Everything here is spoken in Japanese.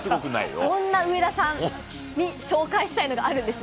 そんな上田さんに紹介したいのがあるんです。